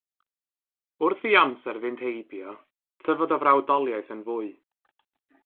Wrth i amser fynd heibio tyfodd y frawdoliaeth yn fwy.